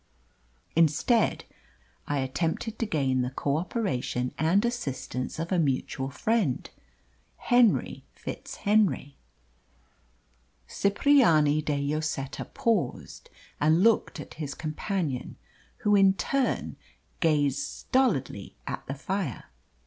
Instead, I attempted to gain the co operation and assistance of a mutual friend, Henry FitzHenry." Cipriani de Lloseta paused and looked at his companion, who in turn gazed stolidly at the fire.